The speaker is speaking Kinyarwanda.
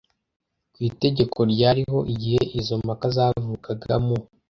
ku itegeko ryariho igihe izo mpaka zavukaga mu